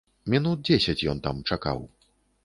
Мінут дзесяць ён там чакаў.